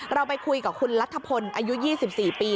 เราไปคุยกับคุณรัฐพลอายุ๒๔ปี